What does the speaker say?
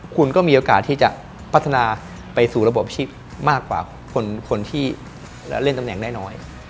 คุณก็มีโอกาสที่จะพัฒนาไปสู่ระบบชีพมากกว่าคนที่เล่นตำแหน่งได้น้อย